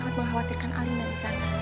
aku sangat mengkhawatirkan alim dari sana